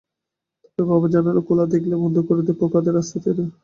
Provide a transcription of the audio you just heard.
তবে বাবা জানালা খোলা দেখলেই বন্ধ করে দেয়, পোকাদের আসতে দেয় না।